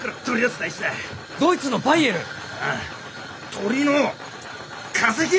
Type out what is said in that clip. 鳥の化石？